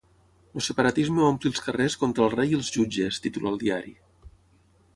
El separatisme omple els carrers contra el rei i els jutges, titula el diari.